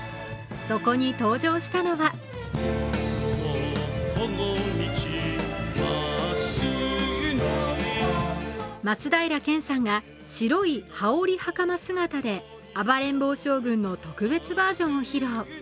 そこに登場したのは松平健さんが白い羽織はかま姿で「暴れん坊将軍」の特別バージョンを披露。